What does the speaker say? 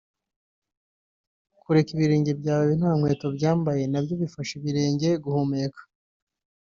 kureka ibirenge byawe nta nkweto byambaye nabyo bifasha ibirenge guhumeka